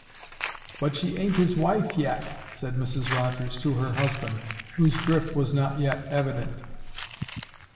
"But she ain't his wife yet," said Mrs Rogers to her husband, whose drift was not yet evident.